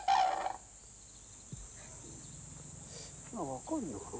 分かんのかな